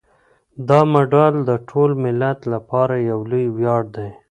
دا مډال د ټول ملت لپاره یو لوی ویاړ دی.